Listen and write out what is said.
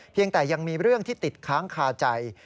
แต่ยังมีเรื่องที่ติดค้างคาใจ